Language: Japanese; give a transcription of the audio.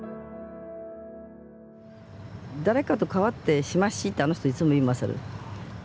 「誰かと替わってしまっし」ってあの人いつも言います。